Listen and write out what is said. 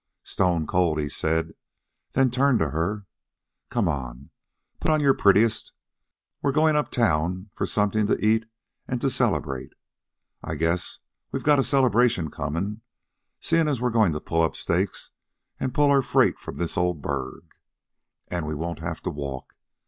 "Stone cold," he said, then turned to her. "Come on. Put on your prettiest. We're goin' up town for something to eat an' to celebrate. I guess we got a celebration comin', seein' as we're going to pull up stakes an' pull our freight from the old burg. An' we won't have to walk.